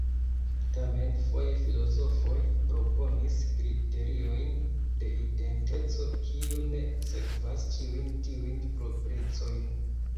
Tamen foje filozofoj proponis kriteriojn de identeco kiu ne sekvas ĉiujn tiujn proprecojn.